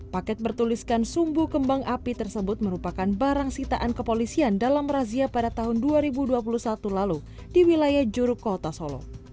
paket bertuliskan sumbu kembang api tersebut merupakan barang sitaan kepolisian dalam razia pada tahun dua ribu dua puluh satu lalu di wilayah juruk kota solo